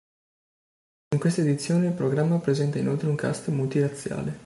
In questa edizione il programma presenta inoltre un cast multirazziale.